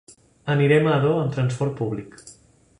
Anirem a Ador amb transport públic.